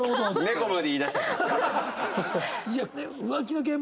猫まで言いだした。